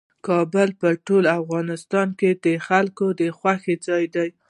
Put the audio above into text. کابل په ټول افغانستان کې د خلکو د خوښې ځای دی.